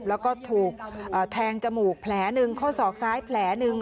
แล้วก็ถูกแทงจมูกแผลหนึ่งข้อศอกซ้ายแผลหนึ่ง